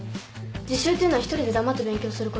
自習っていうのは１人で黙って勉強すること。